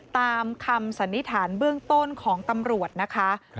ตามคำสันนิษฐานเบื้องต้นของตำรวจนะคะ